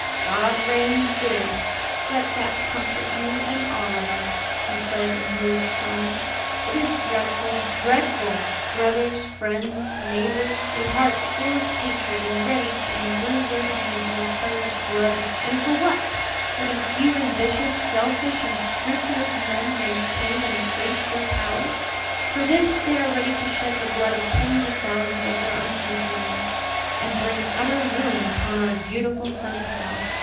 "God reigns, dearest; let that comfort you and all of us," he said, in moved tones. "It is dreadful, dreadful! Brothers, friends, neighbors, with hearts full of hatred and ready to imbrue their hands in each other's blood and for what? That a few ambitious, selfish, unscrupulous men may retain and increase their power; for this they are ready to shed the blood of tens of thousands of their own countrymen, and bring utter ruin upon our beautiful, sunny South."